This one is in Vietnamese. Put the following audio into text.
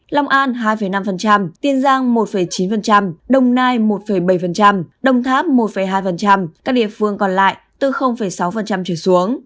long an hai năm tiên giang một chín đồng nai một bảy đồng tháp một hai các địa phương còn lại từ sáu trở xuống